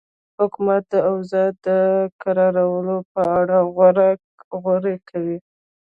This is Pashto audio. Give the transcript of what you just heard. حکومت د اوضاع د کرارولو په اړه غور کوي.